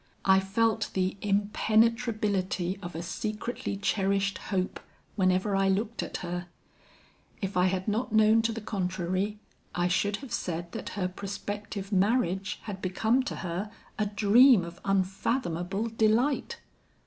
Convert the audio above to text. I felt the impenetrability of a secretly cherished hope, whenever I looked at her. If I had not known to the contrary, I should have said that her prospective marriage had become to her a dream of unfathomable delight.